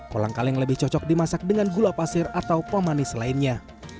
kolang kaling lebih cocok dimasak dengan gula pasir atau pemanis lainnya